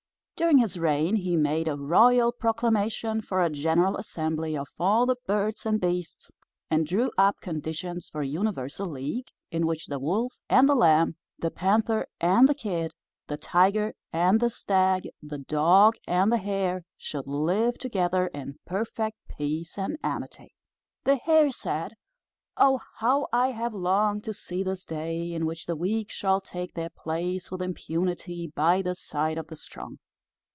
During his reign he made a royal proclamation for a general assembly of all the birds and beasts, and drew up conditions for a universal league, in which the Wolf and the Lamb, the Panther and the Kid, the Tiger and the Stag, the Dog and the Hare, should live together in perfect peace and amity. The Hare said, "Oh, how I have longed to see this day, in which the weak shall take their place with impunity by the side of the strong."